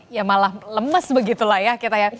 ya malah lemes begitu lah ya kita ya